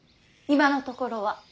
今のところは。